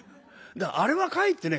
あれはかえってね